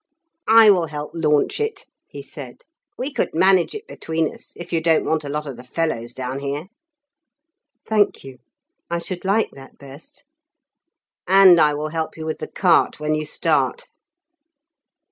"I will help launch it," he said. "We could manage it between us, if you don't want a lot of the fellows down here." "Thank you. I should like that best." "And I will help you with the cart when you start."